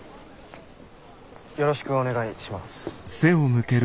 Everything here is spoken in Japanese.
よろしくお願いします。